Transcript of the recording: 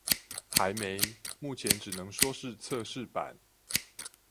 還沒，目前只能說是測試版